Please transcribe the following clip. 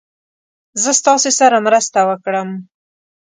زه ستاسې سره مرسته وکړم.